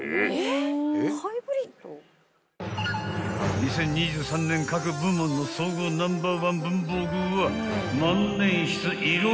［２０２３年各部門の総合ナンバーワン文房具は］